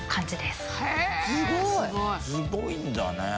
すごいんだね。